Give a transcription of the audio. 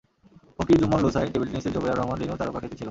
হকির জুম্মন লুসাই, টেবিল টেনিসের জোবেরা রহমান লিনুর তারকা খ্যাতি ছিল।